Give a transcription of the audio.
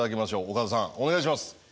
岡田さんお願いします。